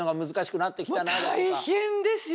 もう大変ですよ